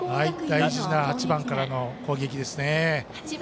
大事な８番からの攻撃ですね。